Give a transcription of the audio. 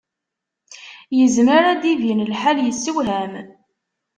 Yezmer ad d-ibin lḥal yessewham.